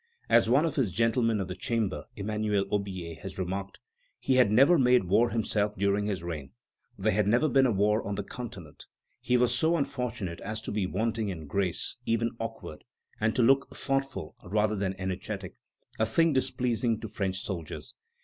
As one of his gentlemen of the chamber, Emmanuel Aubier, has remarked: "He had never made war himself during his reign; there had never been a war on the continent; he was so unfortunate as to be wanting in grace, even awkward, and to look thoughtful rather than energetic, a thing displeasing to French soldiers."